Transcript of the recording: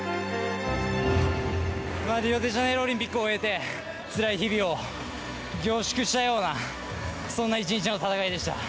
リオデジャネイロオリンピックを終えて、つらい日々を凝縮したような、そんな一日の戦いでした。